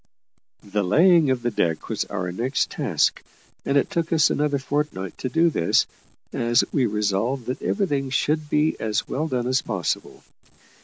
The laying of the deck was our next task; and it took us another fortnight to do this, as we resolved that everything should be as well done as possible.